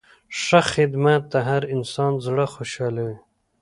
ښه خدمت د هر انسان زړه خوشحالوي.